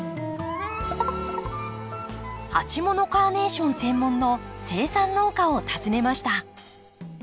鉢物カーネーション専門の生産農家を訪ねました。